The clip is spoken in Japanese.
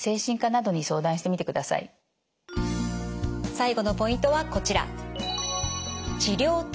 最後のポイントはこちら。